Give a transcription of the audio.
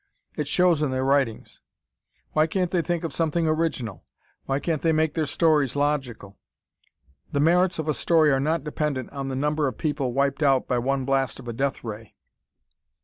It shows in their writings. Why can't they think of something original? Why can't they make their stories logical? The merits of a story are not dependent on the number of people wiped out by one blast of a death ray!